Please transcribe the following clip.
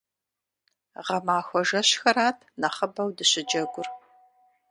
Гъэмахуэ жэщхэрат нэхъыбэу дыщыджэгур.